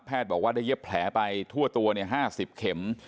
บอกว่าได้เย็บแผลไปทั่วตัว๕๐เข็ม